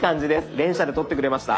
連写で撮ってくれました。